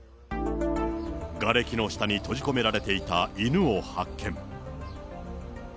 がれきの下に閉じ込められていた犬を発見。